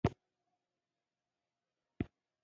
دې به په دې کتنه کې حاضر نه وي.